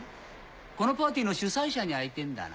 このパーティーの主催者に会いてぇんだがな。